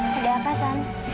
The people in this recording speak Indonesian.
tadi apa san